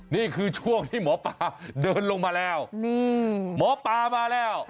นี่คือช่วงที่หมอปลาเดินลงมาแล้วนี่หมอปลามาแล้ว